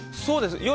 そうです。